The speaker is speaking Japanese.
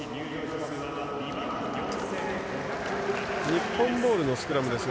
日本ボールのスクラムです。